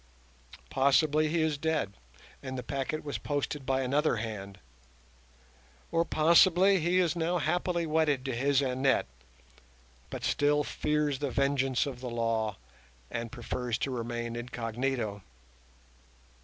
Possibly he is dead, and the packet was posted by another hand; or possibly he is now happily wedded to his Annette, but still fears the vengeance of the law, and prefers to remain incognito.